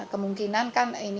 kemungkinan kan ini